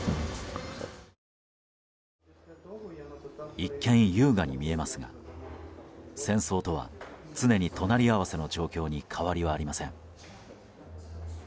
一見、優雅に見えますが戦争とは常に隣り合わせの状況に変わりはありません。